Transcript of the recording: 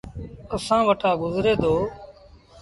اسآݩ وٽآ گزري دو۔